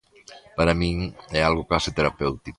Para min é algo case terapéutico.